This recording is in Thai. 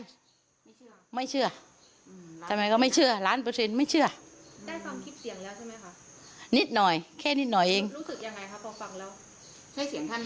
รู้สึกยังไงครับพอฟังแล้วใช่เสี่ยงท่านไหม